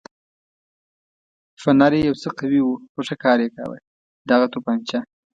فنر یې یو څه قوي و خو ښه کار یې کاوه، دغه تومانچه.